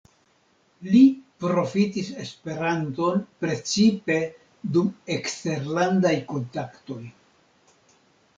Li profitis Esperanton precipe dum eksterlandaj kontaktoj.